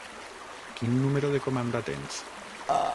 Quin número de comanda tens?